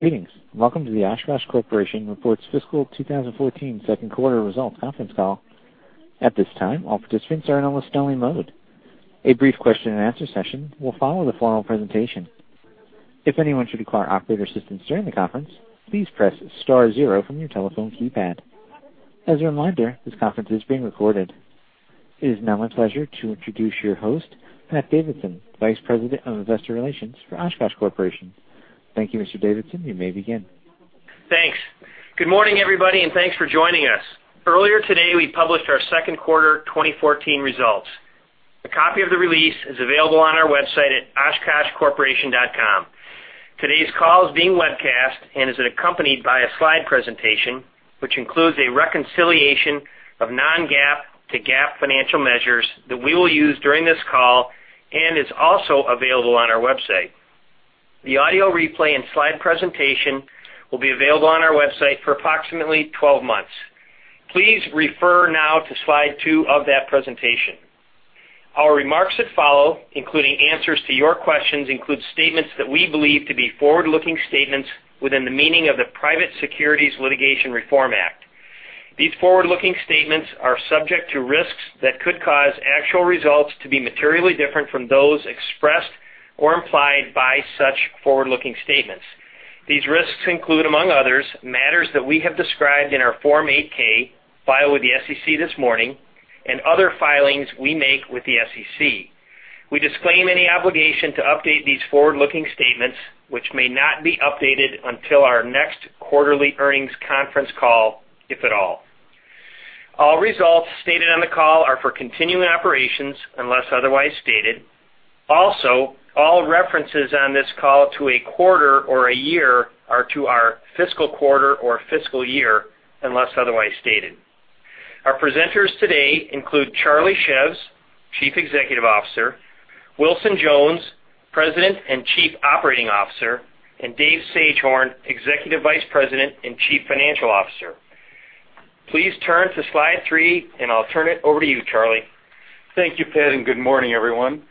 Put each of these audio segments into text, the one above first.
Greetings! Welcome to the Oshkosh Corporation reports fiscal 2014 second quarter results conference call. At this time, all participants are in a listening mode. A brief question-and-answer session will follow the formal presentation. If anyone should require operator assistance during the conference, please press star zero from your telephone keypad. As a reminder, this conference is being recorded. It is now my pleasure to introduce your host, Pat Davidson, Vice President of Investor Relations for Oshkosh Corporation. Thank you, Mr. Davidson. You may begin. Thanks. Good morning, everybody, and thanks for joining us. Earlier today, we published our second quarter 2014 results. A copy of the release is available on our website at oshkoshcorporation.com. Today's call is being webcast and is accompanied by a slide presentation, which includes a reconciliation of non-GAAP to GAAP financial measures that we will use during this call, and is also available on our website. The audio replay and slide presentation will be available on our website for approximately 12 months. Please refer now to slide two of that presentation. Our remarks that follow, including answers to your questions, include statements that we believe to be forward-looking statements within the meaning of the Private Securities Litigation Reform Act. These forward-looking statements are subject to risks that could cause actual results to be materially different from those expressed or implied by such forward-looking statements. These risks include, among others, matters that we have described in our Form 8-K filed with the SEC this morning and other filings we make with the SEC. We disclaim any obligation to update these forward-looking statements, which may not be updated until our next quarterly earnings conference call, if at all. All results stated on the call are for continuing operations, unless otherwise stated. Also, all references on this call to a quarter or a year are to our fiscal quarter or fiscal year, unless otherwise stated. Our presenters today include Charlie Szews, Chief Executive Officer, Wilson Jones, President and Chief Operating Officer, and Dave Sagehorn, Executive Vice President and Chief Financial Officer. Please turn to slide three, and I'll turn it over to you, Charlie. Thank you, Pat, and good morning, everyone.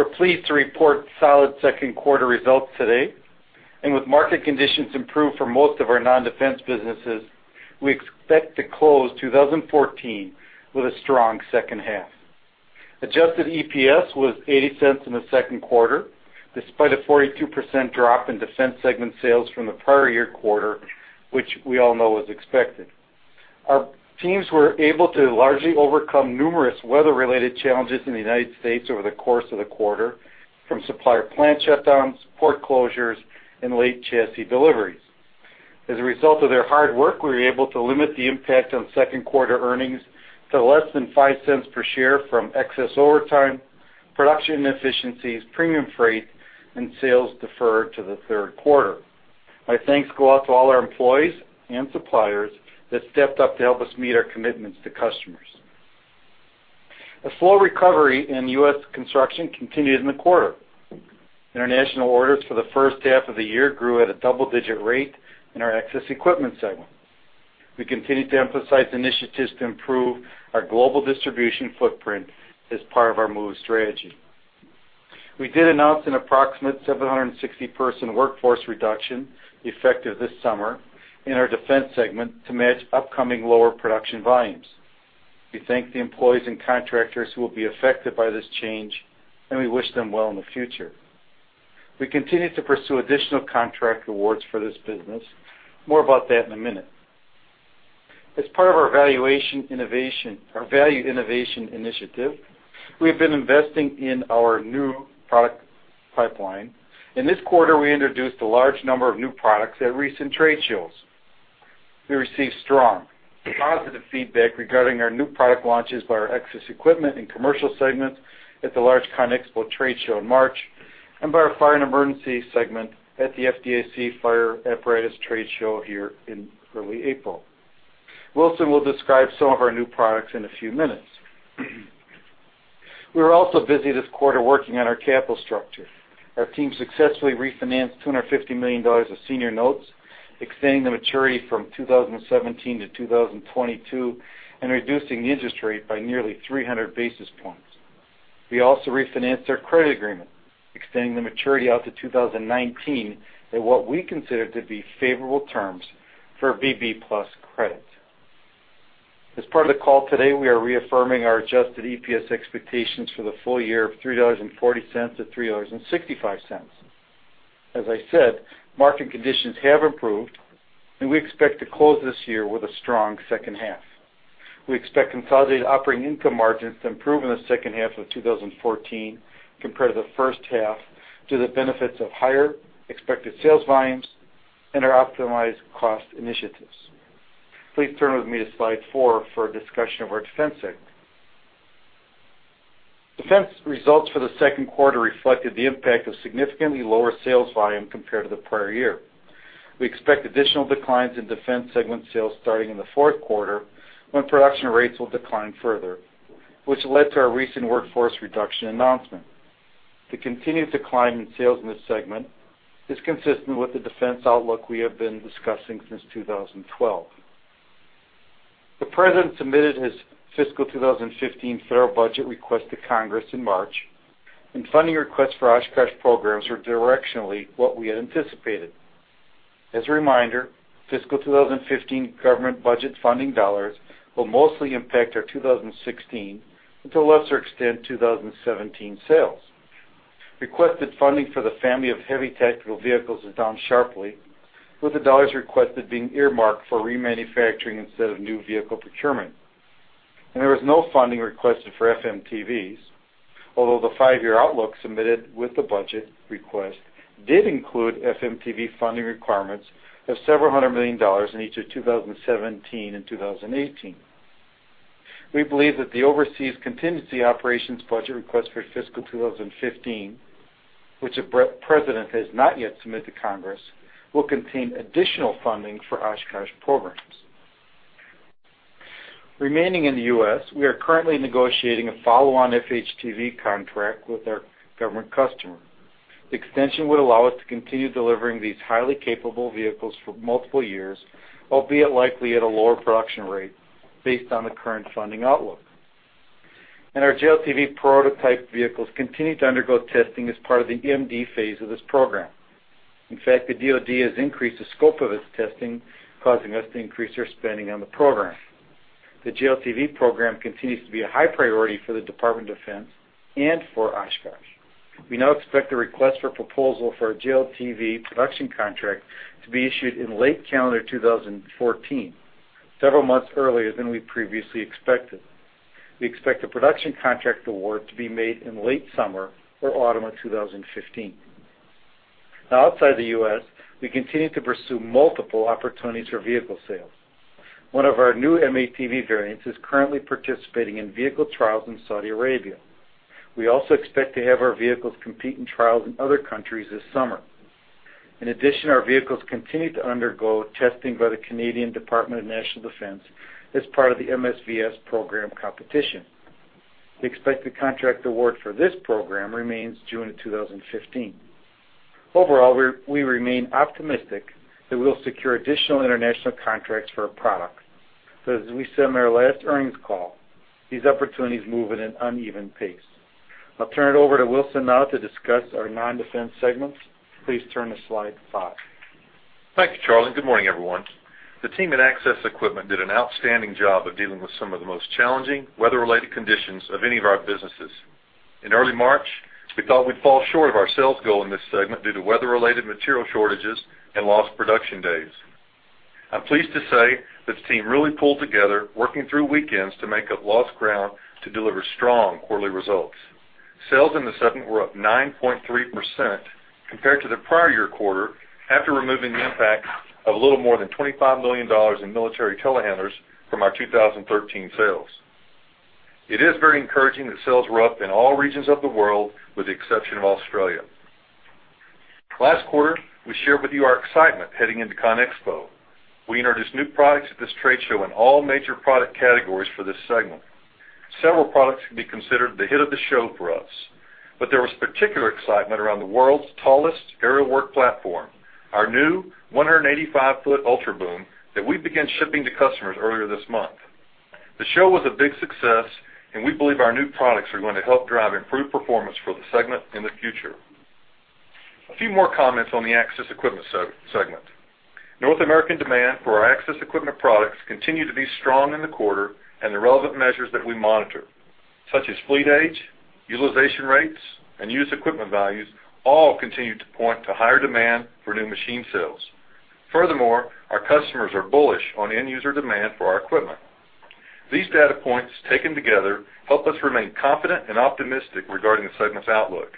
We're pleased to report solid second quarter results today, and with market conditions improved for most of our non-defense businesses, we expect to close 2014 with a strong second half. Adjusted EPS was $0.80 in the second quarter, despite a 42% drop in Defense segment sales from the prior year quarter, which we all know was expected. Our teams were able to largely overcome numerous weather-related challenges in the United States over the course of the quarter, from supplier plant shutdowns, port closures, and late chassis deliveries. As a result of their hard work, we were able to limit the impact on second quarter earnings to less than $0.05 per share from excess overtime, production inefficiencies, premium freight, and sales deferred to the third quarter. My thanks go out to all our employees and suppliers that stepped up to help us meet our commitments to customers. A slow recovery in U.S. construction continued in the quarter. International orders for the first half of the year grew at a double-digit rate in our Access Equipment segment. We continued to emphasize initiatives to improve our global distribution footprint as part of our move strategy. We did announce an approximate 760-person workforce reduction, effective this summer, in our defense segment to match upcoming lower production volumes. We thank the employees and contractors who will be affected by this change, and we wish them well in the future. We continue to pursue additional contract awards for this business. More about that in a minute. As part of our valuation innovation - our value innovation initiative, we have been investing in our new product pipeline. In this quarter, we introduced a large number of new products at recent trade shows. We received strong, positive feedback regarding our new product launches by our access equipment and commercial segments at the large ConExpo trade show in March and by our fire and emergency segment at the FDIC Fire Apparatus trade show here in early April. Wilson will describe some of our new products in a few minutes. We were also busy this quarter working on our capital structure. Our team successfully refinanced $250 million of senior notes, extending the maturity from 2017 to 2022, and reducing the interest rate by nearly 300 basis points. We also refinanced our credit agreement, extending the maturity out to 2019 at what we consider to be favorable terms for BB+ credit. As part of the call today, we are reaffirming our adjusted EPS expectations for the full year of $3.40-$3.65. As I said, market conditions have improved, and we expect to close this year with a strong second half. We expect consolidated operating income margins to improve in the second half of 2014 compared to the first half, due to the benefits of higher expected sales volumes and our optimized cost initiatives. Please turn with me to slide four for a discussion of our defense segment. Defense results for the second quarter reflected the impact of significantly lower sales volume compared to the prior year. We expect additional declines in defense segment sales starting in the fourth quarter, when production rates will decline further, which led to our recent workforce reduction announcement. The continued decline in sales in this segment is consistent with the defense outlook we have been discussing since 2012... The President submitted his fiscal 2015 federal budget request to Congress in March, and funding requests for Oshkosh programs were directionally what we had anticipated. As a reminder, fiscal 2015 government budget funding dollars will mostly impact our 2016, and to a lesser extent, 2017 sales. Requested funding for the family of heavy tactical vehicles is down sharply, with the dollars requested being earmarked for remanufacturing instead of new vehicle procurement. There was no funding requested for FMTVs, although the five-year outlook submitted with the budget request did include FMTV funding requirements of several hundred million in each of 2017 and 2018. We believe that the overseas contingency operations budget request for fiscal 2015, which the President has not yet submitted to Congress, will contain additional funding for Oshkosh programs. Remaining in the US, we are currently negotiating a follow-on FHTV contract with our government customer. The extension would allow us to continue delivering these highly capable vehicles for multiple years, albeit likely at a lower production rate based on the current funding outlook. Our JLTV prototype vehicles continue to undergo testing as part of the EMD phase of this program. In fact, the DoD has increased the scope of its testing, causing us to increase our spending on the program. The JLTV program continues to be a high priority for the Department of Defense and for Oshkosh. We now expect a request for proposal for a JLTV production contract to be issued in late calendar 2014, several months earlier than we previously expected. We expect a production contract award to be made in late summer or autumn of 2015. Now, outside the US, we continue to pursue multiple opportunities for vehicle sales. One of our new M-ATV variants is currently participating in vehicle trials in Saudi Arabia. We also expect to have our vehicles compete in trials in other countries this summer. In addition, our vehicles continue to undergo testing by the Canadian Department of National Defense as part of the MSVS program competition. The expected contract award for this program remains June of 2015. Overall, we remain optimistic that we'll secure additional international contracts for our products, but as we said in our last earnings call, these opportunities move at an uneven pace. I'll turn it over to Wilson now to discuss our non-defense segments. Please turn to slide five. Thank you, Charlie. Good morning, everyone. The team at access equipment did an outstanding job of dealing with some of the most challenging weather-related conditions of any of our businesses. In early March, we thought we'd fall short of our sales goal in this segment due to weather-related material shortages and lost production days. I'm pleased to say that the team really pulled together, working through weekends to make up lost ground to deliver strong quarterly results. Sales in the segment were up 9.3% compared to the prior year quarter, after removing the impact of a little more than $25 million in military telehandlers from our 2013 sales. It is very encouraging that sales were up in all regions of the world, with the exception of Australia. Last quarter, we shared with you our excitement heading into ConExpo. We introduced new products at this trade show in all major product categories for this segment. Several products can be considered the hit of the show for us, but there was particular excitement around the world's tallest aerial work platform, our new 185-foot Ultra Boom that we began shipping to customers earlier this month. The show was a big success, and we believe our new products are going to help drive improved performance for the segment in the future. A few more comments on the access equipment segment. North American demand for our access equipment products continued to be strong in the quarter, and the relevant measures that we monitor, such as fleet age, utilization rates, and used equipment values, all continued to point to higher demand for new machine sales. Furthermore, our customers are bullish on end user demand for our equipment. These data points, taken together, help us remain confident and optimistic regarding the segment's outlook.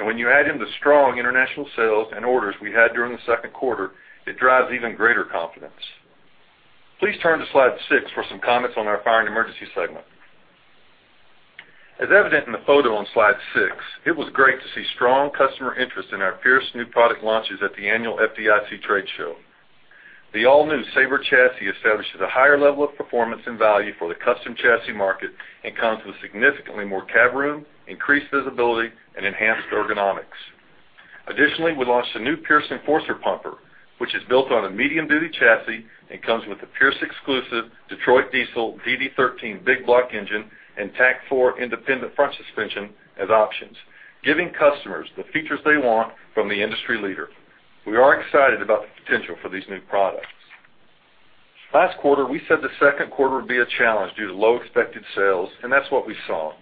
When you add in the strong international sales and orders we had during the second quarter, it drives even greater confidence. Please turn to slide six for some comments on our fire and emergency segment. As evident in the photo on slide six, it was great to see strong customer interest in our Pierce new product launches at the annual FDIC trade show. The all-new Saber Chassis establishes a higher level of performance and value for the custom chassis market and comes with significantly more cab room, increased visibility, and enhanced ergonomics. Additionally, we launched a new Pierce Enforcer pumper, which is built on a medium-duty chassis and comes with a Pierce exclusive Detroit Diesel DD13 big block engine and TAK-4 independent front suspension as options, giving customers the features they want from the industry leader. We are excited about the potential for these new products. Last quarter, we said the second quarter would be a challenge due to low expected sales, and that's what we saw.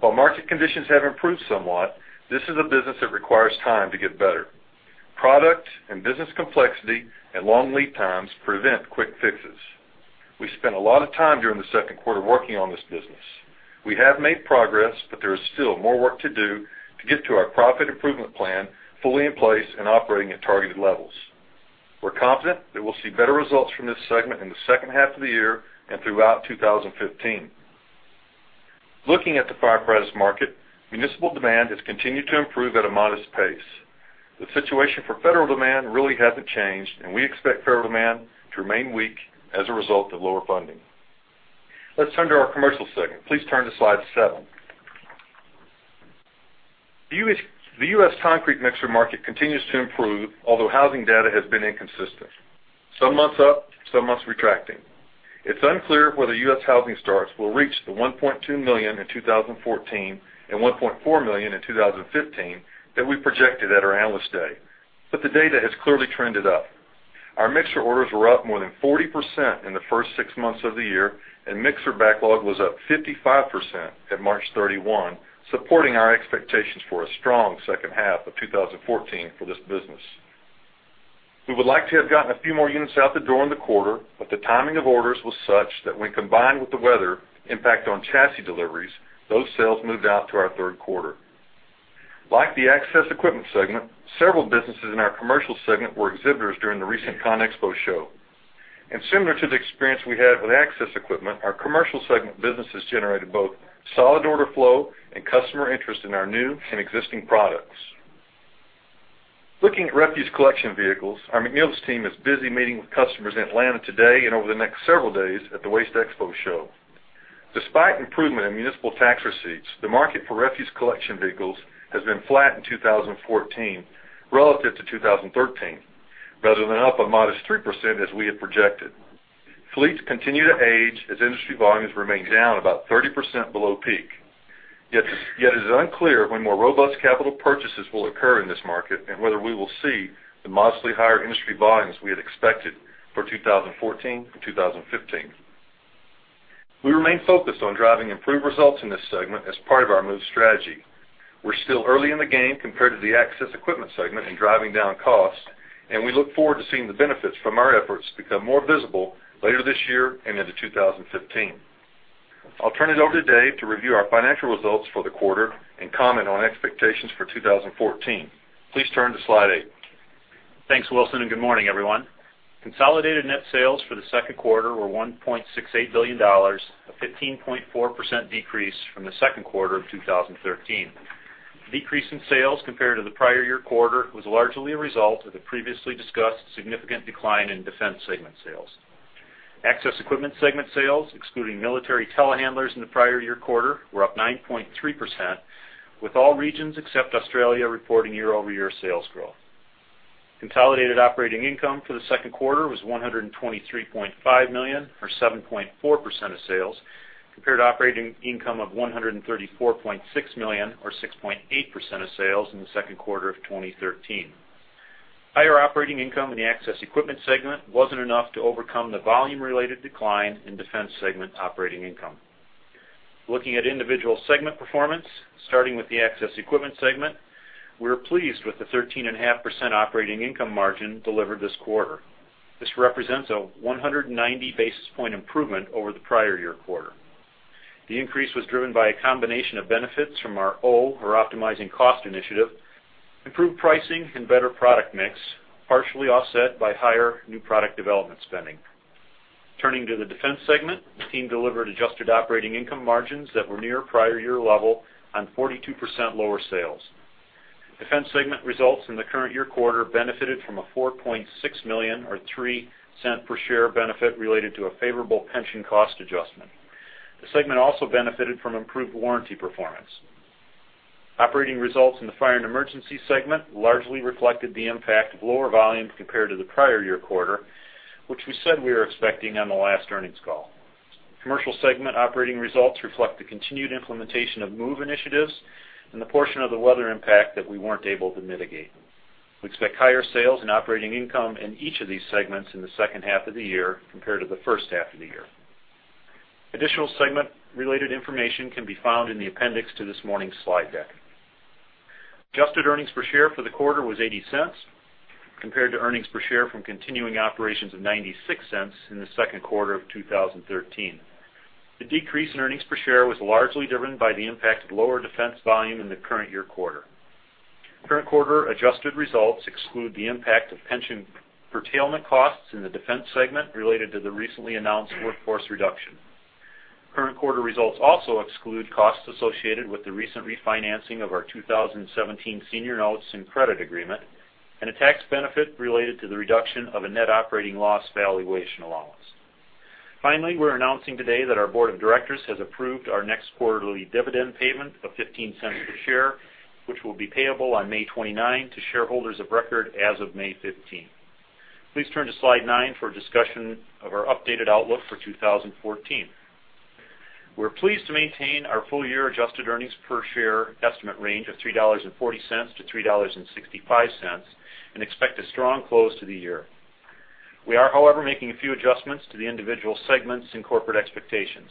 While market conditions have improved somewhat, this is a business that requires time to get better. Product and business complexity and long lead times prevent quick fixes. We spent a lot of time during the second quarter working on this business. We have made progress, but there is still more work to do to get to our profit improvement plan fully in place and operating at targeted levels. We're confident that we'll see better results from this segment in the second half of the year and throughout 2015. Looking at the fire apparatus market, municipal demand has continued to improve at a modest pace. The situation for federal demand really hasn't changed, and we expect federal demand to remain weak as a result of lower funding. Let's turn to our commercial segment. Please turn to slide seven... The U.S., the U.S. concrete mixer market continues to improve, although housing data has been inconsistent. Some months up, some months retracting. It's unclear whether U.S. housing starts will reach the 1.2 million in 2014 and 1.4 million in 2015 that we projected at our Analyst Day, but the data has clearly trended up. Our mixer orders were up more than 40% in the first six months of the year, and mixer backlog was up 55% at March 31, supporting our expectations for a strong second half of 2014 for this business. We would like to have gotten a few more units out the door in the quarter, but the timing of orders was such that when combined with the weather impact on chassis deliveries, those sales moved out to our third quarter. Like the access equipment segment, several businesses in our commercial segment were exhibitors during the recent ConExpo show. Similar to the experience we had with access equipment, our Commercial segment businesses generated both solid order flow and customer interest in our new and existing products. Looking at refuse collection vehicles, our McNeilus team is busy meeting with customers in Atlanta today and over the next several days at the WasteExpo show. Despite improvement in municipal tax receipts, the market for refuse collection vehicles has been flat in 2014 relative to 2013, rather than up a modest 3% as we had projected. Fleets continue to age as industry volumes remain down about 30% below peak. Yet, it is unclear when more robust capital purchases will occur in this market and whether we will see the modestly higher industry volumes we had expected for 2014 and 2015. We remain focused on driving improved results in this segment as part of our MOVE strategy. We're still early in the game compared to the access equipment segment in driving down costs, and we look forward to seeing the benefits from our efforts become more visible later this year and into 2015. I'll turn it over to Dave to review our financial results for the quarter and comment on expectations for 2014. Please turn to slide eight. Thanks, Wilson, and good morning, everyone. Consolidated net sales for the second quarter were $1.68 billion, a 15.4% decrease from the second quarter of 2013. Decrease in sales compared to the prior year quarter was largely a result of the previously discussed significant decline in Defense segment sales. access equipment segment sales, excluding military telehandlers in the prior year quarter, were up 9.3%, with all regions except Australia reporting year-over-year sales growth. Consolidated operating income for the second quarter was $123.5 million, or 7.4% of sales, compared to operating income of $134.6 million, or 6.8% of sales, in the second quarter of 2013. Higher operating income in the Access Equipment segment wasn't enough to overcome the volume-related decline in Defense segment operating income. Looking at individual segment performance, starting with the Access Equipment segment, we are pleased with the 13.5% operating income margin delivered this quarter. This represents a 190 basis point improvement over the prior year quarter. The increase was driven by a combination of benefits from our O, or optimizing cost initiative, improved pricing and better product mix, partially offset by higher new product development spending. Turning to the Defense segment, the team delivered adjusted operating income margins that were near prior year level on 42% lower sales. Defense segment results in the current year quarter benefited from a $4.6 million, or $0.03 per share benefit related to a favorable pension cost adjustment. The segment also benefited from improved warranty performance. Operating results in the Fire and Emergency segment largely reflected the impact of lower volumes compared to the prior year quarter, which we said we were expecting on the last earnings call. Commercial segment operating results reflect the continued implementation of MOVE initiatives and the portion of the weather impact that we weren't able to mitigate. We expect higher sales and operating income in each of these segments in the second half of the year compared to the first half of the year. Additional segment-related information can be found in the appendix to this morning's slide deck. Adjusted earnings per share for the quarter was $0.80, compared to earnings per share from continuing operations of $0.96 in the second quarter of 2013. The decrease in earnings per share was largely driven by the impact of lower defense volume in the current year quarter. Current quarter adjusted results exclude the impact of pension curtailment costs in the defense segment related to the recently announced workforce reduction. Current quarter results also exclude costs associated with the recent refinancing of our 2017 senior notes and credit agreement, and a tax benefit related to the reduction of a net operating loss valuation allowance. Finally, we're announcing today that our board of directors has approved our next quarterly dividend payment of $0.15 per share, which will be payable on May 29 to shareholders of record as of May 15. Please turn to slide 9 for a discussion of our updated outlook for 2014. We're pleased to maintain our full year adjusted earnings per share estimate range of $3.40-$3.65, and expect a strong close to the year. We are, however, making a few adjustments to the individual segments and corporate expectations.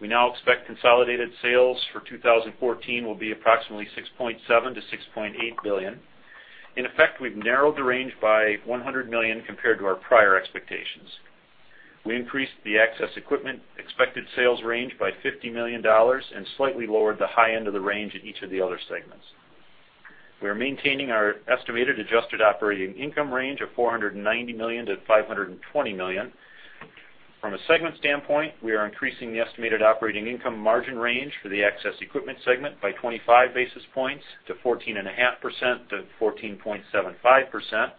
We now expect consolidated sales for 2014 will be approximately $6.7 billion-$6.8 billion. In effect, we've narrowed the range by $100 million compared to our prior expectations. We increased the Access Equipment expected sales range by $50 million and slightly lowered the high end of the range in each of the other segments. We are maintaining our estimated adjusted operating income range of $490 million-$520 million. From a segment standpoint, we are increasing the estimated operating income margin range for the access equipment segment by 25 basis points to 14.5%-14.75%...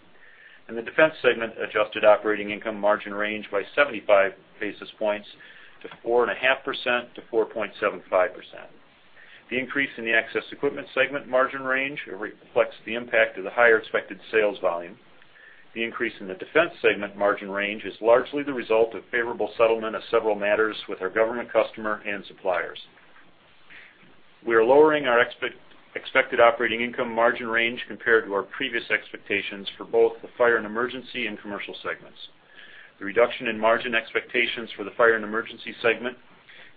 and the defense segment adjusted operating income margin range by 75 basis points to 4.5%-4.75%. The increase in the access equipment segment margin range reflects the impact of the higher expected sales volume. The increase in the Defense segment margin range is largely the result of favorable settlement of several matters with our government customer and suppliers. We are lowering our expected operating income margin range compared to our previous expectations for both the Fire and Emergency and Commercial segments. The reduction in margin expectations for the Fire and Emergency segment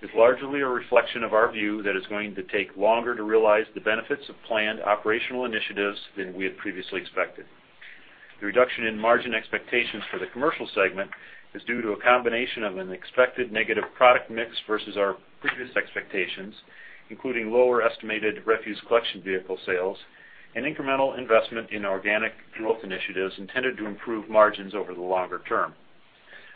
is largely a reflection of our view that it's going to take longer to realize the benefits of planned operational initiatives than we had previously expected. The reduction in margin expectations for the Commercial segment is due to a combination of an expected negative product mix versus our previous expectations, including lower estimated refuse collection vehicle sales and incremental investment in organic growth initiatives intended to improve margins over the longer term.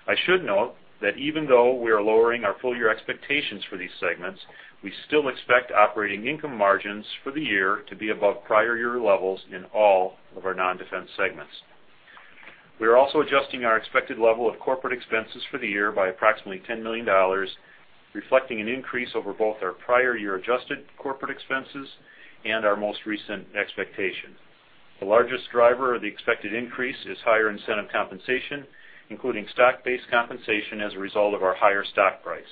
I should note that even though we are lowering our full year expectations for these segments, we still expect operating income margins for the year to be above prior year levels in all of our non-defense segments. We are also adjusting our expected level of corporate expenses for the year by approximately $10 million, reflecting an increase over both our prior year adjusted corporate expenses and our most recent expectation. The largest driver of the expected increase is higher incentive compensation, including stock-based compensation as a result of our higher stock price.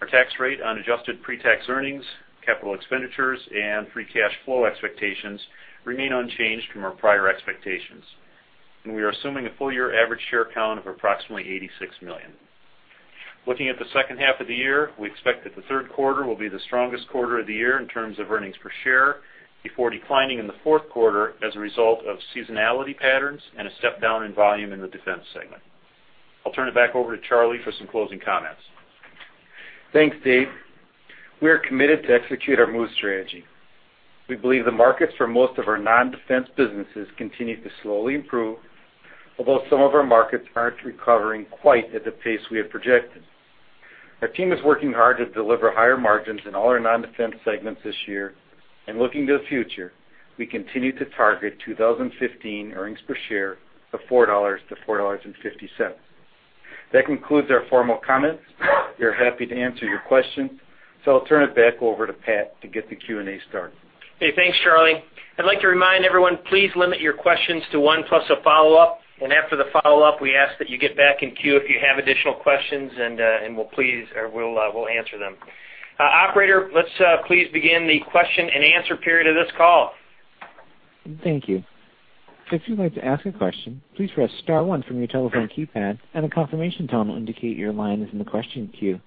Our tax rate on adjusted pre-tax earnings, capital expenditures, and free cash flow expectations remain unchanged from our prior expectations, and we are assuming a full year average share count of approximately 86 million. Looking at the second half of the year, we expect that the third quarter will be the strongest quarter of the year in terms of earnings per share, before declining in the fourth quarter as a result of seasonality patterns and a step down in volume in the Defense segment. I'll turn it back over to Charlie for some closing comments. Thanks, Dave. We are committed to execute our MOVE strategy. We believe the markets for most of our non-defense businesses continue to slowly improve, although some of our markets aren't recovering quite at the pace we had projected. Our team is working hard to deliver higher margins in all our non-defense segments this year. And looking to the future, we continue to target 2015 earnings per share of $4-$4.50. That concludes our formal comments. We are happy to answer your questions, so I'll turn it back over to Pat to get the Q&A started. Hey, thanks, Charlie. I'd like to remind everyone, please limit your questions to one plus a follow-up, and after the follow-up, we ask that you get back in queue if you have additional questions, and, and we'll please, or we'll, we'll answer them. Operator, let's, please begin the question and answer period of this call. Thank you. If you'd like to ask a question, please press Star one from your telephone keypad, and a confirmation tone will indicate your line is in the question queue.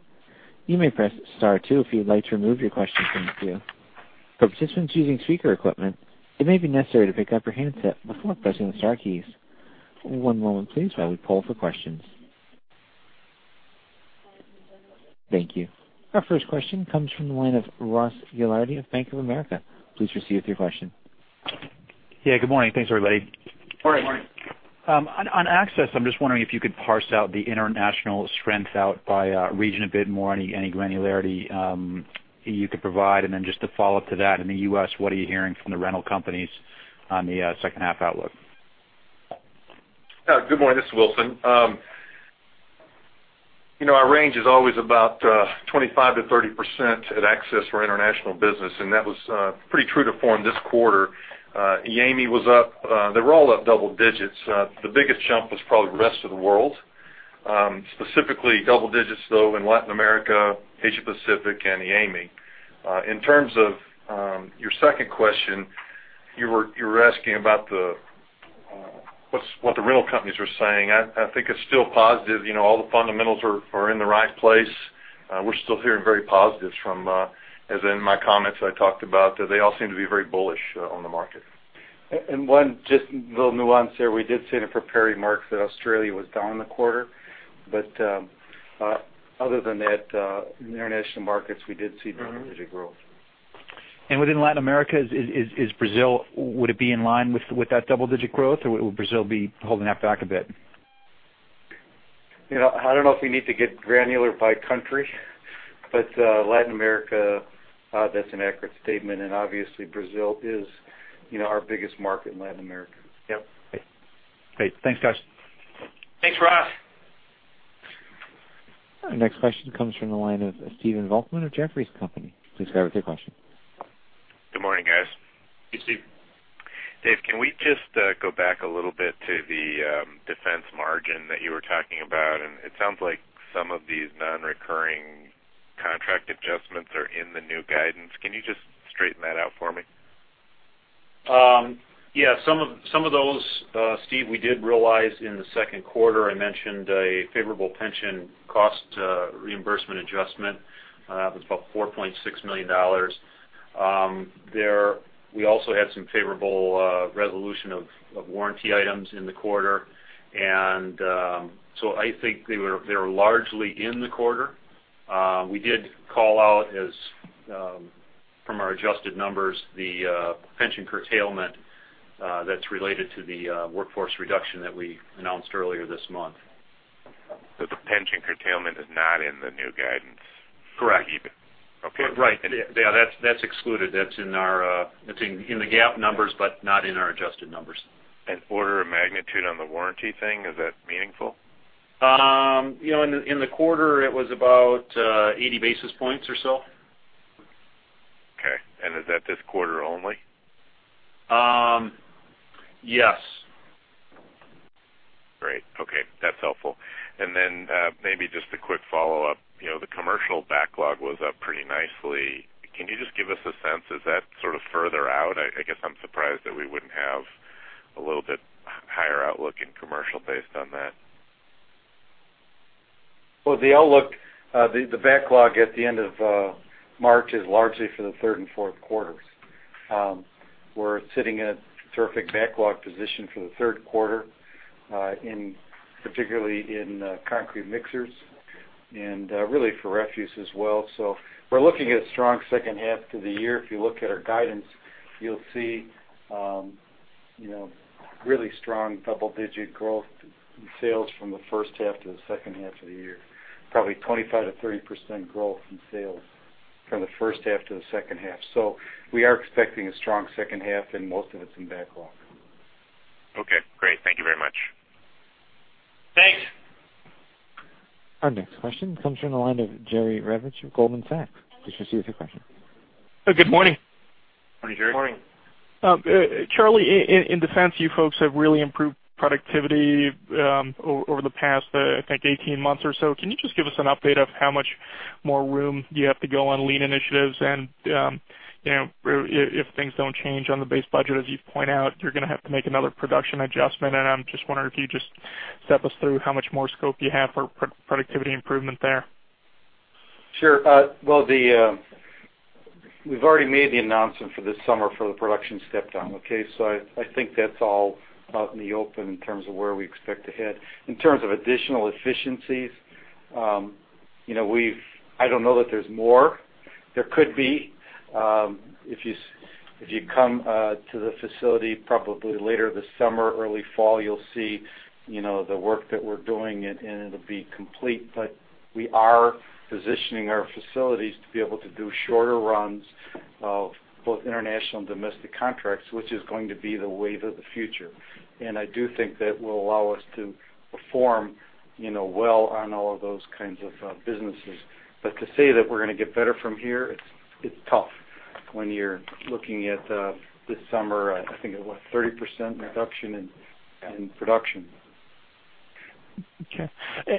You may press Star two if you'd like to remove your question from the queue. For participants using speaker equipment, it may be necessary to pick up your handset before pressing the star keys. One moment please, while we poll for questions. Thank you. Our first question comes from the line of Ross Gilardi of Bank of America. Please proceed with your question. Yeah, good morning. Thanks, everybody. Good morning. Good morning. On Access, I'm just wondering if you could parse out the international strength by region a bit more, any granularity you could provide? And then just to follow up to that, in the U.S., what are you hearing from the rental companies on the second half outlook? Good morning, this is Wilson. You know, our range is always about 25%-30% at access for international business, and that was pretty true to form this quarter. EAME was up. They were all up double digits. The biggest jump was probably the rest of the world, specifically double digits, though, in Latin America, Asia Pacific, and EAME. In terms of your second question, you were asking about what the rental companies are saying. I think it's still positive. You know, all the fundamentals are in the right place. We're still hearing very positives from, as in my comments, I talked about, that they all seem to be very bullish on the market. One just little nuance there. We did say in the prepared remarks that Australia was down in the quarter, but other than that, in the international markets, we did see double-digit growth. Within Latin America, is Brazil, would it be in line with that double-digit growth, or would Brazil be holding that back a bit? You know, I don't know if we need to get granular by country, but, Latin America, that's an accurate statement, and obviously Brazil is, you know, our biggest market in Latin America. Yep. Great. Thanks, guys. Thanks, Ross. Our next question comes from the line of Stephen Volkmann of Jefferies. Please go ahead with your question. Good morning, guys. Hey, Steve. Dave, can we just go back a little bit to the defense margin that you were talking about? It sounds like some of these non-recurring contract adjustments are in the new guidance. Can you just straighten that out for me? Yeah, some of those, Steve, we did realize in the second quarter. I mentioned a favorable pension cost reimbursement adjustment. It was about $4.6 million. There, we also had some favorable resolution of warranty items in the quarter. And, so I think they were largely in the quarter. We did call out, as from our adjusted numbers, the pension curtailment that's related to the workforce reduction that we announced earlier this month. The pension curtailment is not in the new guidance? Correct. Okay. Right. Yeah, that's excluded. That's in our GAAP numbers, but not in our adjusted numbers. Order of magnitude on the warranty thing, is that meaningful? You know, in the quarter, it was about 80 basis points or so. Okay. And is that this quarter only? Um, yes. Great. Okay, that's helpful. And then, maybe just a quick follow-up. You know, the commercial backlog was up pretty nicely. Can you just give us a sense, is that sort of further out? I, I guess I'm surprised that we wouldn't have a little bit higher outlook in commercial based on that. Well, the outlook, the backlog at the end of March is largely for the third and fourth quarters. We're sitting in a terrific backlog position for the third quarter, in particularly in concrete mixers and really for refuse as well. So we're looking at a strong second half to the year. If you look at our guidance, you'll see, you know, really strong double-digit growth in sales from the first half to the second half of the year, probably 25%-30% growth in sales from the first half to the second half. So we are expecting a strong second half, and most of it's in backlog. Okay, great. Thank you very much. Thanks! Our next question comes from the line of Jerry Revich of Goldman Sachs. Please proceed with your question. Good morning. Morning, Jerry. Morning. Charlie, in defense, you folks have really improved productivity over the past, I think, 18 months or so. Can you just give us an update of how much more room you have to go on lean initiatives? You know, if things don't change on the base budget, as you point out, you're gonna have to make another production adjustment. I'm just wondering if you could just step us through how much more scope you have for productivity improvement there. Sure. Well, we've already made the announcement for this summer for the production step down. Okay? So I think that's all out in the open in terms of where we expect to head. In terms of additional efficiencies, you know, we've, I don't know that there's more. There could be, if you come to the facility, probably later this summer, early fall, you'll see, you know, the work that we're doing and it'll be complete. But we are positioning our facilities to be able to do shorter runs of both international and domestic contracts, which is going to be the wave of the future. And I do think that will allow us to perform, you know, well on all of those kinds of businesses. But to say that we're gonna get better from here, it's tough when you're looking at this summer, I think, what, 30% reduction in production. Okay.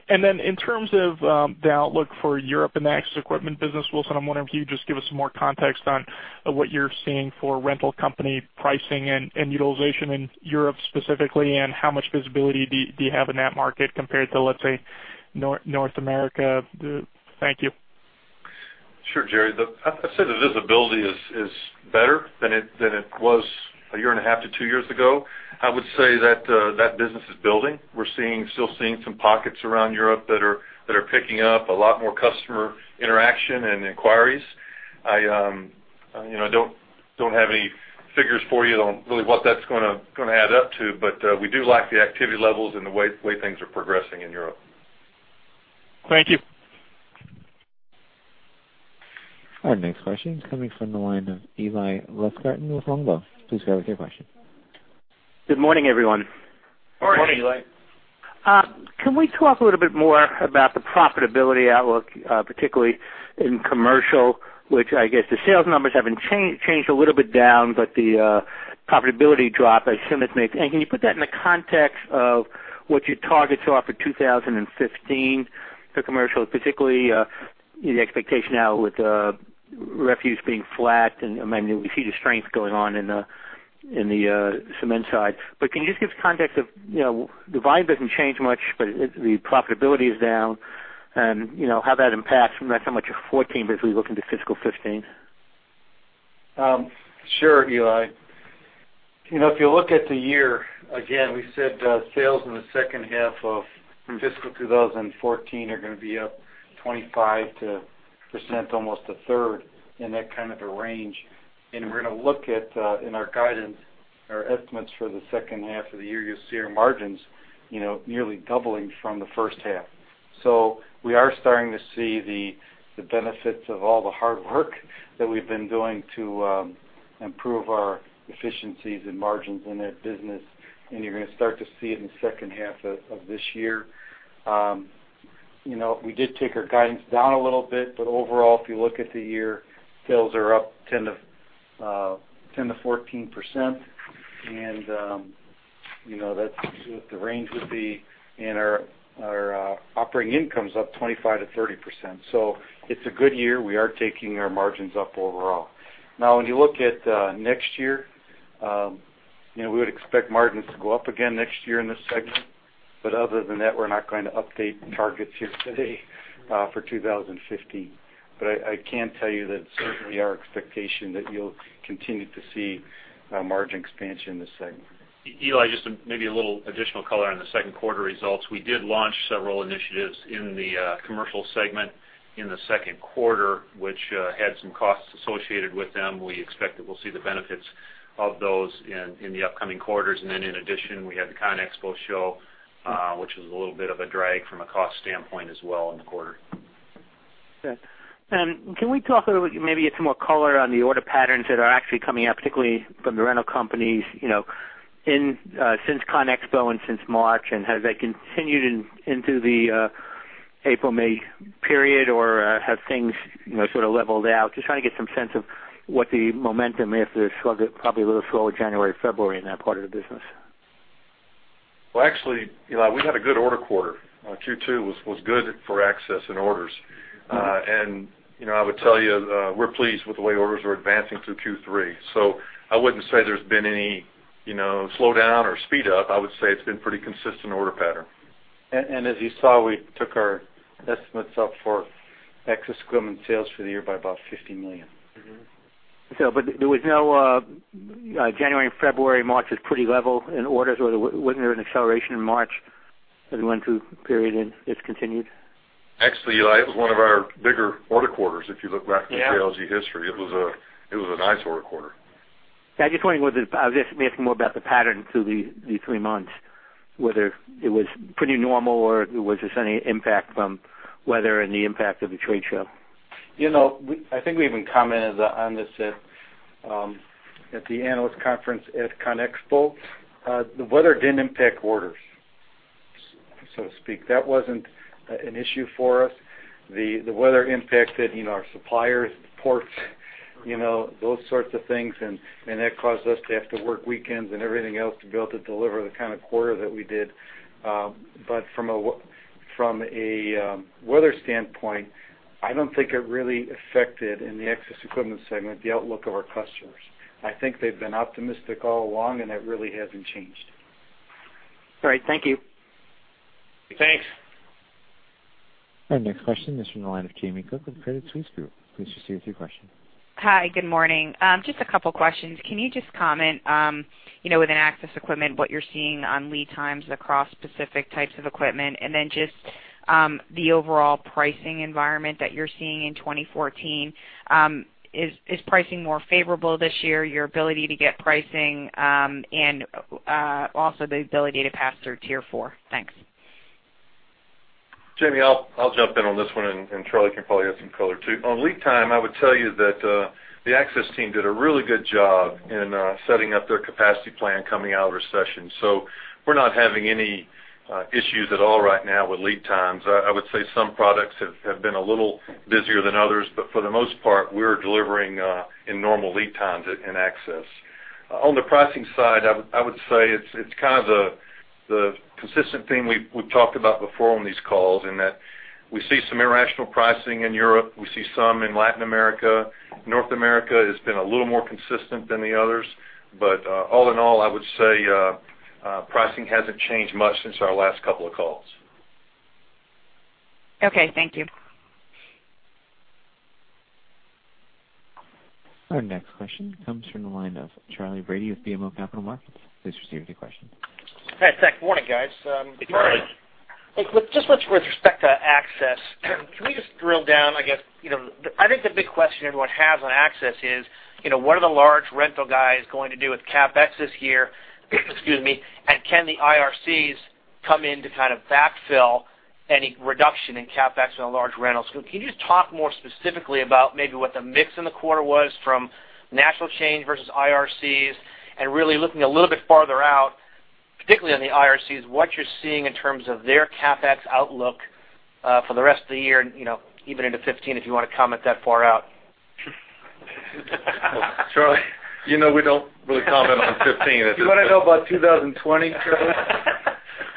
And then in terms of the outlook for Europe and the access equipment business, Wilson, I'm wondering if you could just give us some more context on what you're seeing for rental company pricing and utilization in Europe specifically, and how much visibility do you have in that market compared to, let's say, North America? Thank you. Sure, Jerry. I'd say the visibility is better than it was a year and a half to two years ago. I would say that that business is building. We're still seeing some pockets around Europe that are picking up, a lot more customer interaction and inquiries. You know, I don't have any figures for you on really what that's gonna add up to, but we do like the activity levels and the way things are progressing in Europe. Thank you. Our next question is coming from the line of Eli Lustgarten with Longbow Research. Please go ahead with your question. Good morning, everyone. Morning. Morning, Eli. Can we talk a little bit more about the profitability outlook, particularly in commercial, which I guess the sales numbers haven't changed a little bit down, but the profitability drop, I assume it's muted. Can you put that in the context of what your targets are for 2015 for commercial, particularly the expectation now with refuse being flat, and I mean, we see the strength going on in the cement side. But can you just give us context of, you know, the volume doesn't change much, but the profitability is down, and, you know, how that impacts not so much 2014, but as we look into fiscal 2015? Sure, Eli. You know, if you look at the year, again, we said sales in the second half of fiscal 2014 are gonna be up 25-30%, almost a third in that kind of a range. And we're gonna look at, in our guidance, our estimates for the second half of the year, you'll see our margins, you know, nearly doubling from the first half. So we are starting to see the benefits of all the hard work that we've been doing to improve our efficiencies and margins in that business, and you're gonna start to see it in the second half of this year. You know, we did take our guidance down a little bit, but overall, if you look at the year, sales are up 10%-14%, and you know, that's what the range would be, and our operating income's up 25%-30%. So it's a good year. We are taking our margins up overall. Now, when you look at next year, you know, we would expect margins to go up again next year in this segment. But other than that, we're not going to update targets here today for 2015. But I can tell you that certainly our expectation that you'll continue to see margin expansion in this segment. Eli, just maybe a little additional color on the second quarter results. We did launch several initiatives in the commercial segment in the second quarter, which had some costs associated with them. We expect that we'll see the benefits of those in the upcoming quarters. And then in addition, we had the ConExpo show, which was a little bit of a drag from a cost standpoint as well in the quarter.... Can we talk a little, maybe get some more color on the order patterns that are actually coming out, particularly from the rental companies, you know, in, since ConExpo and since March, and have they continued in, into the, April, May period, or, have things, you know, sort of leveled out? Just trying to get some sense of what the momentum is after the slow, probably a little slower January, February in that part of the business. Well, actually, Eli, we had a good order quarter. Q2 was good for access and orders. And, you know, I would tell you, we're pleased with the way orders are advancing through Q3. So I wouldn't say there's been any, you know, slowdown or speed up. I would say it's been pretty consistent order pattern. As you saw, we took our estimates up for access equipment sales for the year by about $50 million. Mm-hmm. So, but there was no January, February, March was pretty level in orders, or wasn't there an acceleration in March as we went through the period and it's continued? Actually, Eli, it was one of our bigger order quarters, if you look back- Yeah At the JLG history. It was a nice order quarter. Yeah, I'm just wondering. I was asking more about the pattern through the three months, whether it was pretty normal or was there any impact from weather and the impact of the trade show? You know, I think we even commented on this at the analyst conference at Conexpo. The weather didn't impact orders, so to speak. That wasn't an issue for us. The weather impacted, you know, our suppliers, the ports, you know, those sorts of things, and that caused us to have to work weekends and everything else to be able to deliver the kind of quarter that we did. But from a weather standpoint, I don't think it really affected, in the access equipment segment, the outlook of our customers. I think they've been optimistic all along, and it really hasn't changed. All right. Thank you. Thanks. Our next question is from the line of Jamie Cook with Credit Suisse Group. Please just proceed with your question. Hi, good morning. Just a couple questions. Can you just comment, you know, within access equipment, what you're seeing on lead times across specific types of equipment? And then just the overall pricing environment that you're seeing in 2014. Is pricing more favorable this year, your ability to get pricing, and also the ability to pass through Tier 4? Thanks. Jamie, I'll jump in on this one, and Charlie can probably add some color, too. On lead time, I would tell you that the access team did a really good job in setting up their capacity plan coming out of recession. So we're not having any issues at all right now with lead times. I would say some products have been a little busier than others, but for the most part, we're delivering in normal lead times in Access. On the pricing side, I would say it's kind of the consistent theme we've talked about before on these calls, in that we see some irrational pricing in Europe. We see some in Latin America. North America has been a little more consistent than the others, but, all in all, I would say, pricing hasn't changed much since our last couple of calls. Okay. Thank you. Our next question comes from the line of Charlie Brady with BMO Capital Markets. Please proceed with your question. Hi, thanks. Morning, guys. Good morning. Just with respect to Access, can we just drill down, I guess, you know, I think the big question everyone has on Access is, you know, what are the large rental guys going to do with CapEx this year? Excuse me. And can the IRCs come in to kind of backfill any reduction in CapEx on large rentals? Can you just talk more specifically about maybe what the mix in the quarter was from national chains versus IRCs, and really looking a little bit farther out, particularly on the IRCs, what you're seeing in terms of their CapEx outlook, for the rest of the year, and, you know, even into 2015, if you want to comment that far out? Charlie, you know we don't really comment on 2015. You want to know about 2020, Charlie?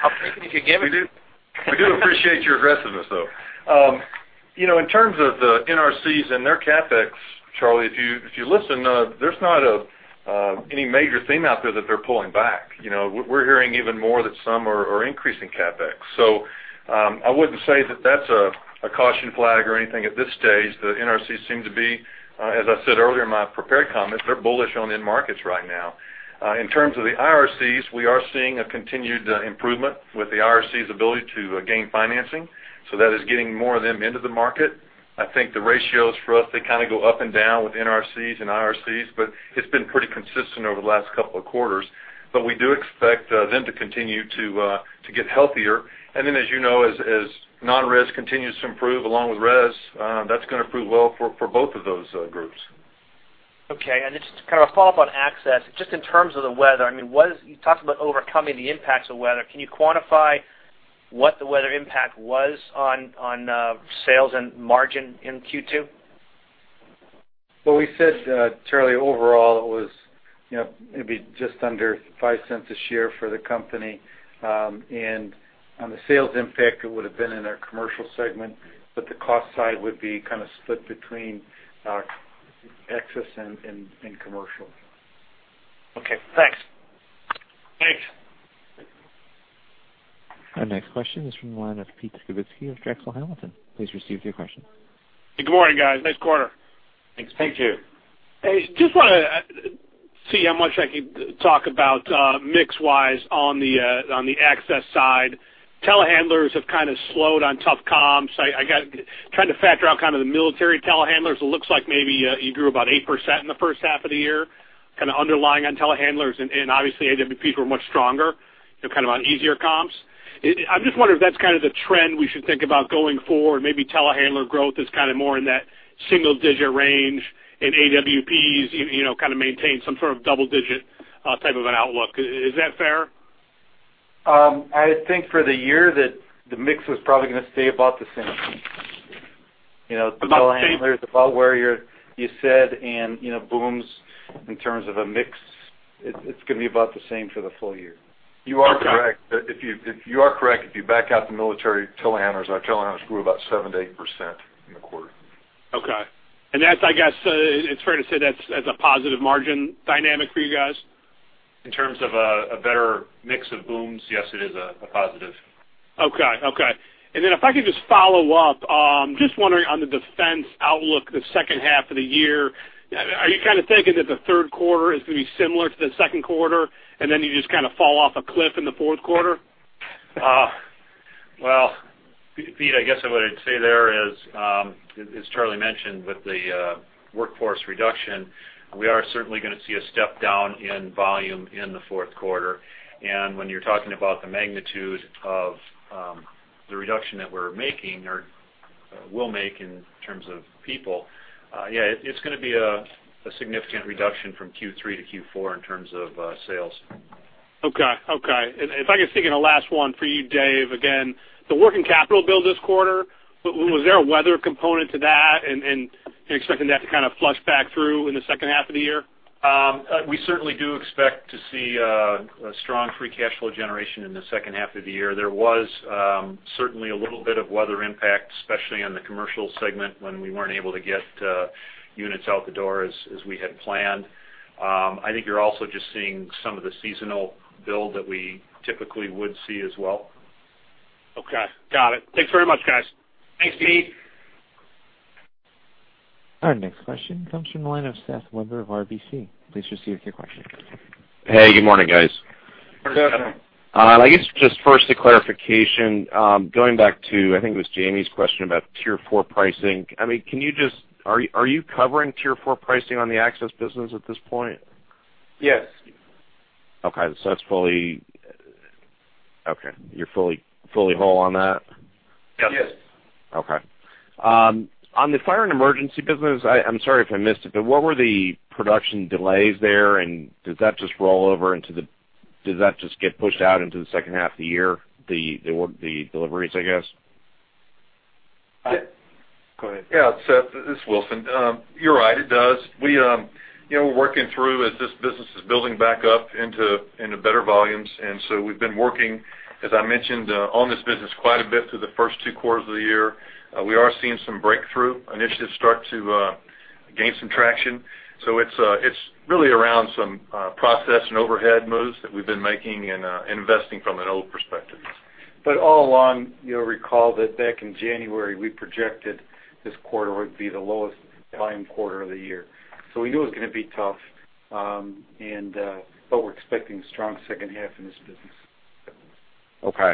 I'm thinking you can give me. We do, we do appreciate your aggressiveness, though. You know, in terms of the NRCs and their CapEx, Charlie, if you, if you listen, there's not any major theme out there that they're pulling back. You know, we're hearing even more that some are increasing CapEx. So, I wouldn't say that that's a caution flag or anything at this stage. The NRCs seem to be, as I said earlier in my prepared comments, they're bullish on end markets right now. In terms of the IRCs, we are seeing a continued improvement with the IRC's ability to gain financing, so that is getting more of them into the market. I think the ratios for us, they kind of go up and down with NRCs and IRCs, but it's been pretty consistent over the last couple of quarters. But we do expect them to continue to get healthier. And then, as you know, as non-res continues to improve along with res, that's going to prove well for both of those groups. Okay. And just kind of a follow-up on Access, just in terms of the weather, I mean, what is... You talked about overcoming the impacts of weather. Can you quantify what the weather impact was on, on, sales and margin in Q2? Well, we said, Charlie, overall, it was, you know, it'd be just under $0.05 a share for the company. And on the sales impact, it would have been in our commercial segment, but the cost side would be kind of split between Access and commercial. Okay. Thanks. Thanks. Our next question is from the line of Pete Skibitsky of Drexel Hamilton. Please receive your question. Good morning, guys. Nice quarter. Thanks, Pete. Thank you. Hey, just wanna see how much I can talk about, mix-wise on the, on the Access side. Telehandlers have kind of slowed on tough comps. Trying to factor out kind of the military telehandlers, it looks like maybe you grew about 8% in the first half of the year.... kind of underlying on telehandlers and obviously, AWPs were much stronger, you know, kind of on easier comps. I'm just wondering if that's kind of the trend we should think about going forward, maybe telehandler growth is kind of more in that single-digit range, and AWPs, you know, kind of maintain some sort of double-digit, type of an outlook. Is that fair? I think for the year, that the mix is probably gonna stay about the same. You know, telehandlers- About the same? About where you're, you said, and you know, booms in terms of a mix, it, it's gonna be about the same for the full year. Okay. You are correct. If you are correct, if you back out the military telehandlers, our telehandlers grew about 7%-8% in the quarter. Okay. And that's, I guess, it's fair to say that's, that's a positive margin dynamic for you guys? In terms of a better mix of booms, yes, it is a positive. Okay. Okay. And then if I could just follow up, just wondering on the defense outlook, the second half of the year, are you kind of thinking that the third quarter is gonna be similar to the second quarter, and then you just kind of fall off a cliff in the fourth quarter? Well, Pete, I guess what I'd say there is, as Charlie mentioned, with the workforce reduction, we are certainly gonna see a step down in volume in the fourth quarter. And when you're talking about the magnitude of the reduction that we're making or will make in terms of people, yeah, it's gonna be a significant reduction from Q3 to Q4 in terms of sales. Okay. Okay. And if I could sneak in a last one for you, Dave, again, the working capital build this quarter, was there a weather component to that, and you're expecting that to kind of flush back through in the second half of the year? We certainly do expect to see a strong free cash flow generation in the second half of the year. There was certainly a little bit of weather impact, especially on the commercial segment, when we weren't able to get units out the door as we had planned. I think you're also just seeing some of the seasonal build that we typically would see as well. Okay, got it. Thanks very much, guys. Thanks, Pete. Our next question comes from the line of Seth Weber of RBC. Please proceed with your question. Hey, good morning, guys. Good morning. Good morning. I guess just first a clarification, going back to, I think it was Jamie's question about Tier Four pricing. I mean, can you just... Are you covering Tier Four pricing on the Access business at this point? Yes. Okay, you're fully whole on that? Yes. Yes. Okay. On the fire and emergency business, I'm sorry if I missed it, but what were the production delays there, and does that just roll over into the, did that just get pushed out into the second half of the year, the deliveries, I guess? Go ahead. Yeah, Seth, this is Wilson. You're right, it does. We, you know, we're working through as this business is building back up into, into better volumes, and so we've been working, as I mentioned, on this business quite a bit through the first two quarters of the year. We are seeing some breakthrough initiatives start to gain some traction. So it's, it's really around some process and overhead moves that we've been making and investing from an old perspective. But all along, you'll recall that back in January, we projected this quarter would be the lowest volume quarter of the year. So we knew it was gonna be tough, and, but we're expecting strong second half in this business. Okay.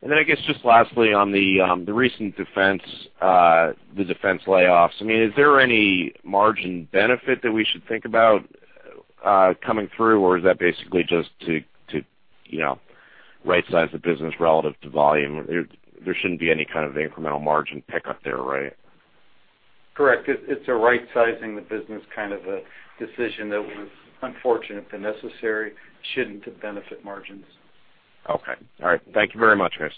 And then I guess, just lastly, on the, the recent defense, the defense layoffs, I mean, is there any margin benefit that we should think about, coming through, or is that basically just to, you know, rightsize the business relative to volume? There shouldn't be any kind of incremental margin pickup there, right? Correct. It's a rightsizing the business kind of a decision that was unfortunate but necessary, shouldn't benefit margins. Okay. All right. Thank you very much, guys.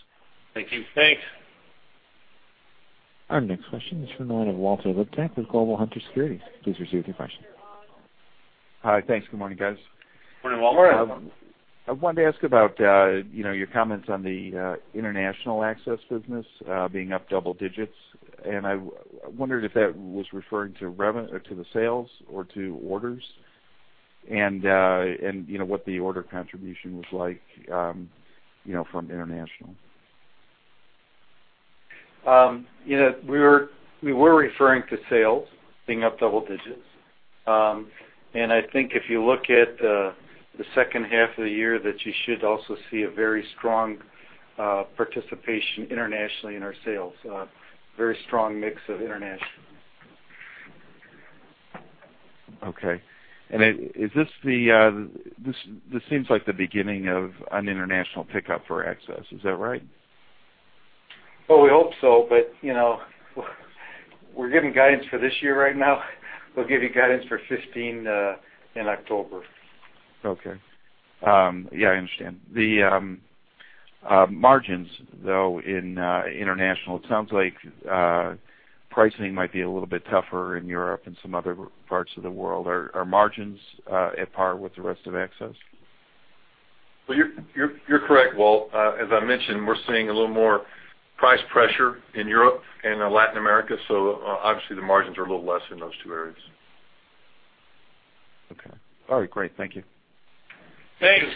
Thank you. Thanks. Our next question is from the line of Walter Liptak with Global Hunter Securities. Please proceed with your question. Hi, thanks. Good morning, guys. Good morning, Walter. Good morning. I wanted to ask about, you know, your comments on the international Access business being up double digits. I wondered if that was referring to revenue or to the sales or to orders, and, you know, what the order contribution was like, you know, from international. You know, we were referring to sales being up double digits. And I think if you look at the second half of the year, that you should also see a very strong participation internationally in our sales, very strong mix of international. Okay. This seems like the beginning of an international pickup for Access. Is that right? Well, we hope so, but, you know, we're giving guidance for this year right now. We'll give you guidance for 2015 in October. Okay. Yeah, I understand. The margins, though, in international, it sounds like pricing might be a little bit tougher in Europe and some other parts of the world. Are margins at par with the rest of Access? Well, you're correct, Walt. As I mentioned, we're seeing a little more price pressure in Europe and Latin America, so obviously, the margins are a little less in those two areas. Okay. All right, great. Thank you. Thanks.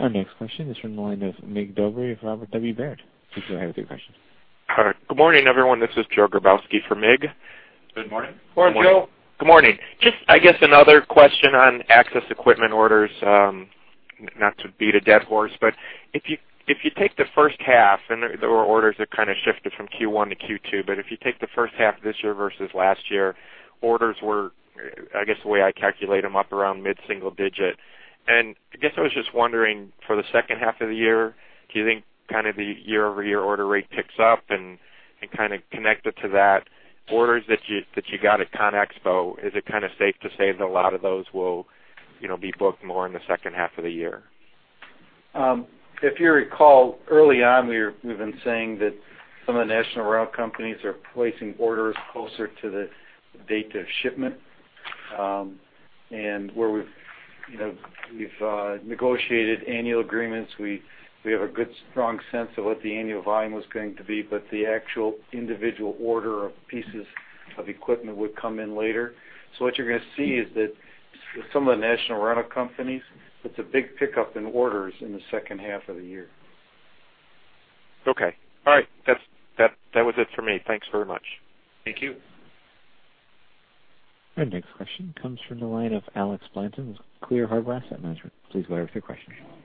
Our next question is from the line of Mig Dobre of Robert W. Baird. Please go ahead with your question. All right. Good morning, everyone. This is Joe Grabowski for Mig. Good morning. Morning, Joe. Good morning. Just, I guess, another question on access equipment orders, not to beat a dead horse, but if you, if you take the first half, and there were orders that kind of shifted from Q1 to Q2, but if you take the first half of this year versus last year, orders were, I guess, the way I calculate them, up around mid-single digit. And I guess I was just wondering, for the second half of the year, do you think kind of the year-over-year order rate picks up? And, and kind of connected to that, orders that you, that you got at ConExpo, is it kind of safe to say that a lot of those will, you know, be booked more in the second half of the year? If you recall, early on, we've been saying that some of the national rental companies are placing orders closer to the date of shipment. And where we've, you know, we've negotiated annual agreements, we have a good, strong sense of what the annual volume was going to be, but the actual individual order of pieces of equipment would come in later. So what you're gonna see is that some of the national rental companies, it's a big pickup in orders in the second half of the year. Okay. All right, that's it for me. Thanks very much. Thank you. Our next question comes from the line of Alex Blanton with Clear Harbor Asset Management. Please go ahead with your question. Thank you.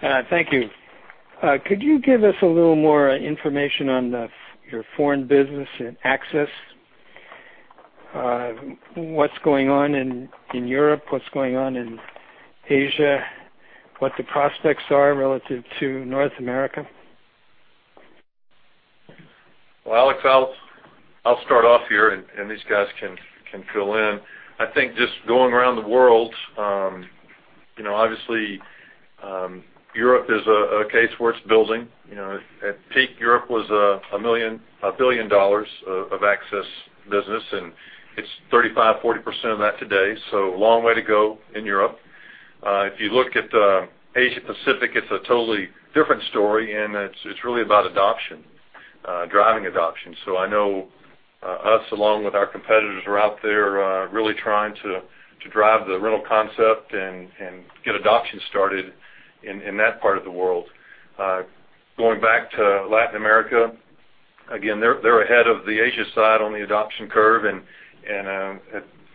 Could you give us a little more information on the, your foreign business and access? What's going on in, in Europe? What's going on in Asia? What the prospects are relative to North America? Well, Alex, I'll start off here, and these guys can fill in. I think just going around the world, you know, obviously, Europe is a case where it's building. You know, at peak, Europe was a $1 billion of access business, and it's 35%-40% of that today, so a long way to go in Europe. If you look at Asia Pacific, it's a totally different story, and it's really about adoption, driving adoption. So I know us, along with our competitors, are out there, really trying to drive the rental concept and get adoption started in that part of the world. Going back to Latin America, again, they're ahead of the Asia side on the adoption curve and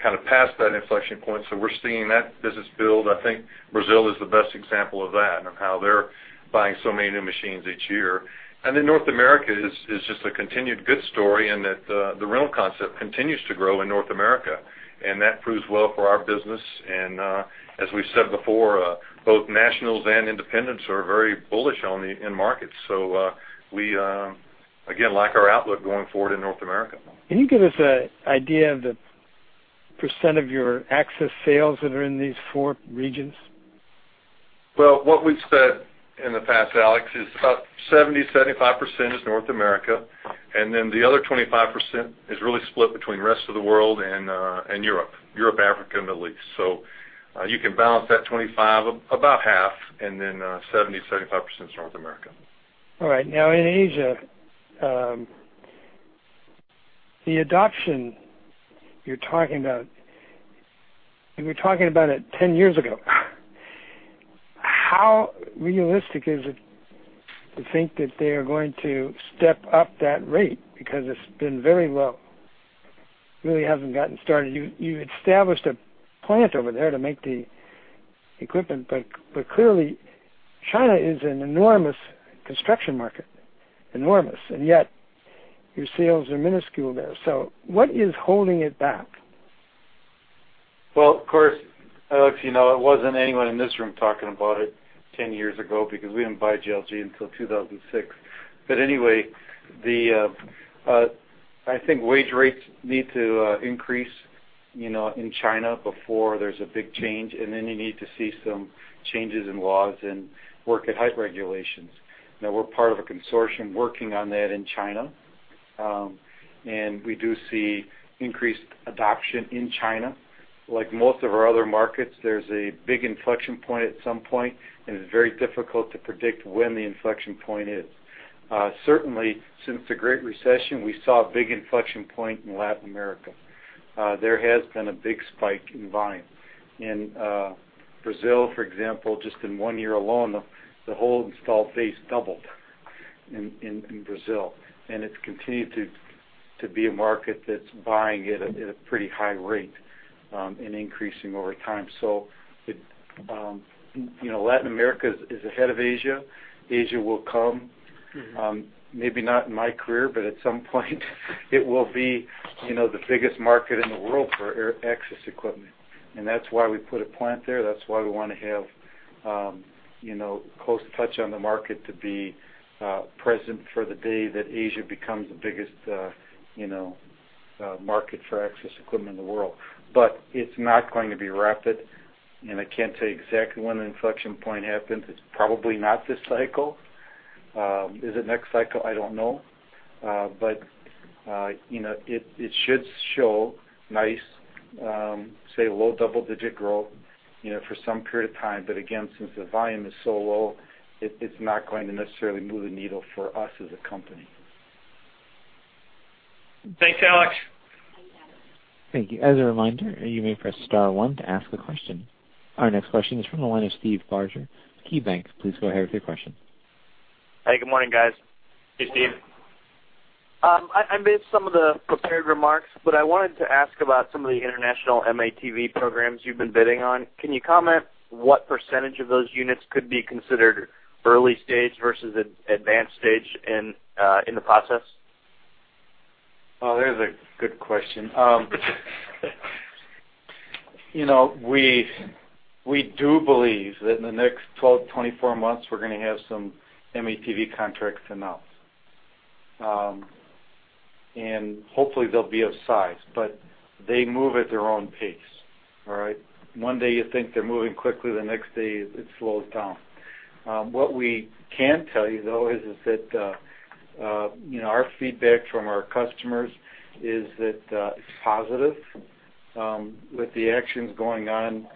kind of past that inflection point, so we're seeing that business build. I think Brazil is the best example of that, and how they're buying so many new machines each year. And then North America is just a continued good story, and that the rental concept continues to grow in North America, and that proves well for our business. And as we've said before, both nationals and independents are very bullish on the end markets. So we again like our outlook going forward in North America. Can you give us an idea of the percent of your access sales that are in these four regions? Well, what we've said in the past, Alex, is about 70-75% is North America, and then the other 25% is really split between the rest of the world and Europe. Europe, Africa, and the Middle East. So, you can balance that 25%, about half, and then, 70-75% is North America. All right. Now, in Asia, the adoption you're talking about, and we're talking about it ten years ago, how realistic is it to think that they are going to step up that rate? Because it's been very low. Really hasn't gotten started. You, you established a plant over there to make the equipment, but, but clearly, China is an enormous construction market. Enormous, and yet your sales are minuscule there. So what is holding it back? Well, of course, Alex, you know, it wasn't anyone in this room talking about it ten years ago because we didn't buy JLG until 2006. But anyway, the, I think wage rates need to increase, you know, in China before there's a big change, and then you need to see some changes in laws and work at height regulations. Now, we're part of a consortium working on that in China. And we do see increased adoption in China. Like most of our other markets, there's a big inflection point at some point, and it's very difficult to predict when the inflection point is. Certainly, since the Great Recession, we saw a big inflection point in Latin America. There has been a big spike in buying. In Brazil, for example, just in one year alone, the whole installed base doubled in Brazil, and it's continued to be a market that's buying at a pretty high rate, and increasing over time. So, you know, Latin America is ahead of Asia. Asia will come. Mm-hmm. Maybe not in my career, but at some point, it will be, you know, the biggest market in the world for aerial access equipment. And that's why we put a plant there. That's why we wanna have, you know, close touch on the market to be, present for the day that Asia becomes the biggest, you know, market for access equipment in the world. But it's not going to be rapid, and I can't say exactly when the inflection point happens. It's probably not this cycle. Is it next cycle? I don't know. But, you know, it should show nice, say, low double-digit growth, you know, for some period of time. But again, since the volume is so low, it's not going to necessarily move the needle for us as a company. Thanks, Alex. Thank you. As a reminder, you may press Star one to ask a question. Our next question is from the line of Steve Barger, KeyBanc. Please go ahead with your question. Hey, good morning, guys. Hey, Steve.... I missed some of the prepared remarks, but I wanted to ask about some of the international FMTV programs you've been bidding on. Can you comment what percentage of those units could be considered early stage versus advanced stage in the process? Well, there's a good question. You know, we, we do believe that in the next 12-24 months, we're gonna have some FMTV contracts announced. And hopefully they'll be of size, but they move at their own pace, all right? One day you think they're moving quickly, the next day it slows down. What we can tell you, though, is, is that, you know, our feedback from our customers is that, it's positive. With the actions going on,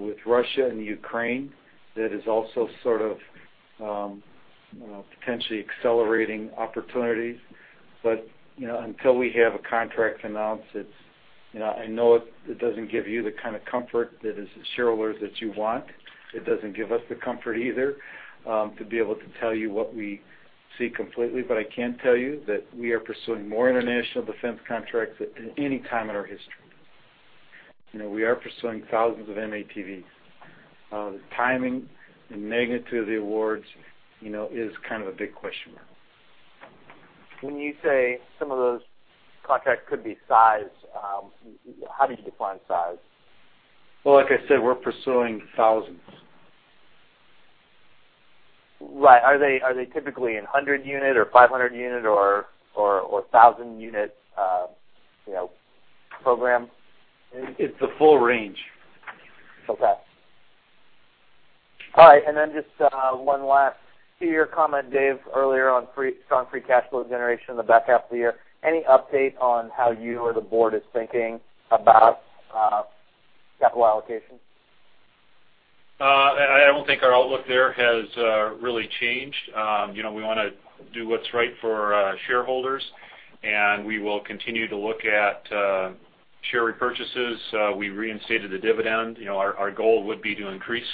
with Russia and Ukraine, that is also sort of, you know, potentially accelerating opportunities. But, you know, until we have a contract announced, it's -- You know, I know it, it doesn't give you the kind of comfort that as shareholders that you want. It doesn't give us the comfort either to be able to tell you what we see completely, but I can tell you that we are pursuing more international defense contracts at any time in our history. You know, we are pursuing thousands of M-ATVs. The timing and magnitude of the awards, you know, is kind of a big question mark. When you say some of those contracts could be sized, how do you define size? Well, like I said, we're pursuing thousands. Right. Are they, are they typically in 100-unit or 500-unit or, or, or a 1,000-unit, you know, program? It's a full range. Okay. All right, and then just one last to your comment, Dave, earlier on strong free cash flow generation in the back half of the year. Any update on how you or the board is thinking about capital allocation? I don't think our outlook there has really changed. You know, we wanna do what's right for our shareholders, and we will continue to look at share repurchases. We reinstated the dividend. You know, our goal would be to increase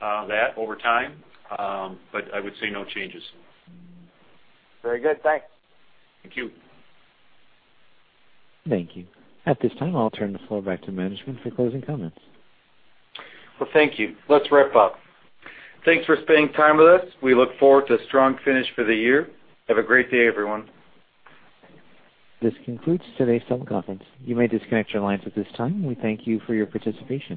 that over time, but I would say no changes. Very good. Thanks. Thank you. Thank you. At this time, I'll turn the floor back to management for closing comments. Well, thank you. Let's wrap up. Thanks for spending time with us. We look forward to a strong finish for the year. Have a great day, everyone. This concludes today's teleconference. You may disconnect your lines at this time. We thank you for your participation.